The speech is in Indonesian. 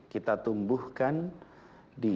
kita tumbuhkan di